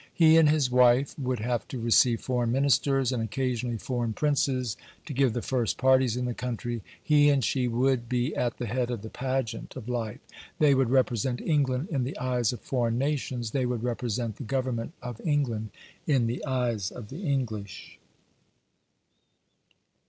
He and his wife would have to receive foreign ministers, and occasionally foreign princes, to give the first parties in the country; he and she would be at the head of the pageant of life; they would represent England in the eyes of foreign nations; they would represent the Government of England in the eyes of the English.